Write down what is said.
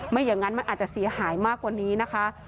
อย่างนั้นมันอาจจะเสียหายมากกว่านี้นะคะ